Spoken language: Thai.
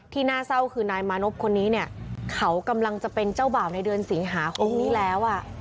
น่าเศร้าคือนายมานพคนนี้เนี่ยเขากำลังจะเป็นเจ้าบ่าวในเดือนสิงหาคมนี้แล้ว